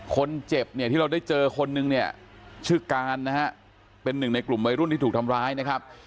คนเจ็บเนี่ยที่เราได้เจอคนนึงเนี่ยชื่อการนะฮะเป็นหนึ่งในกลุ่มวัยรุ่นที่ถูกทำร้ายนะครับ